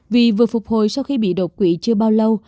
vì vừa phục hồi sau khi bị đột quỵ chưa bao lâu